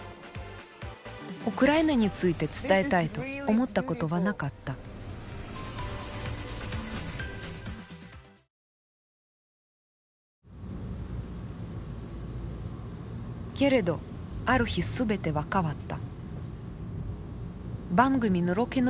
ウクライナについて伝えたいと思ったことはなかったけれどある日全ては変わった。